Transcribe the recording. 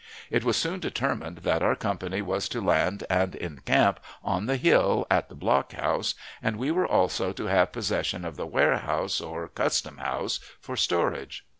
It was soon determined that our company was to land and encamp on the hill at the block house, and we were also to have possession of the warehouse, or custom house, for storage.